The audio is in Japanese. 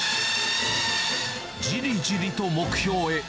じりじりと目標へ。